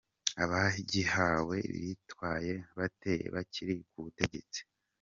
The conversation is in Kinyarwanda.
Abagihawe bitwaye bate bakiri ku butegetsi?.